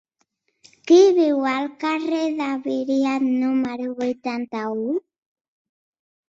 Qui viu al carrer de Viriat número vuitanta-u?